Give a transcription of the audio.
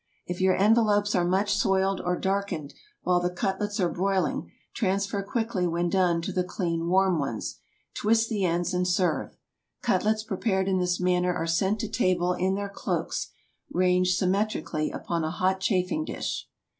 If your envelopes are much soiled or darkened while the cutlets are broiling, transfer quickly when done to the clean warm ones, twist the ends, and serve. Cutlets prepared in this manner are sent to table in their cloaks, ranged symmetrically upon a hot chafing dish.